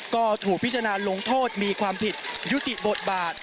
ก็ถูกพิจารณาลงโทษมีความผิดยุติบทบาท